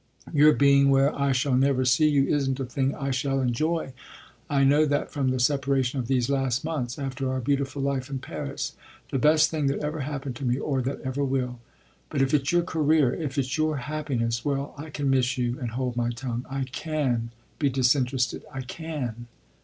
Your being where I shall never see you isn't a thing I shall enjoy; I know that from the separation of these last months after our beautiful life in Paris, the best thing that ever happened to me or that ever will. But if it's your career, if it's your happiness well, I can miss you and hold my tongue. I can be disinterested I can!"